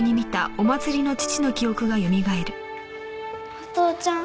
お父ちゃん。